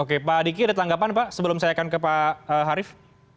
oke pak diki ada tanggapan pak sebelum saya akan ke pak harif